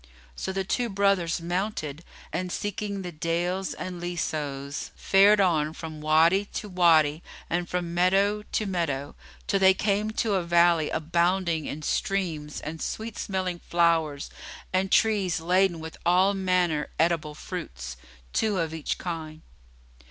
So the two brothers mounted and, seeking the dales and leasows, fared on from Wady to Wady and from meadow to meadow, till they came to a valley abounding in streams and sweet smelling flowers and trees laden with all manner eatable fruits, two of each kind.